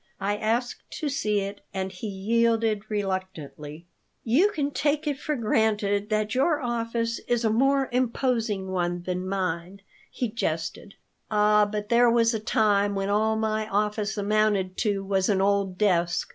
I asked to see it, and he yielded reluctantly "You can take it for granted that your office is a more imposing one than mine," he jested "Ah, but there was a time when all my office amounted to was an old desk.